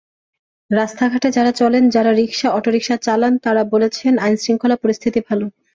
রাস্তাঘাটে যাঁরা চলেন, যাঁরা রিকশা, অটোরিকশা চালান, তাঁরা বলেছেন, আইনশৃঙ্খলা পরিস্থিতি ভালো।